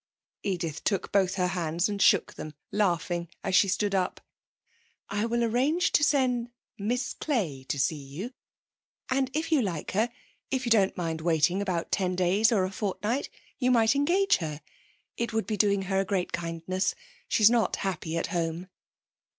Edith took both her hands and shook them, laughing, as she stood up. 'I will arrange to send Miss Clay to see you, and if you like her, if you don't mind waiting about ten days or a fortnight, you might engage her. It would be doing her a great kindness. She's not happy at home.'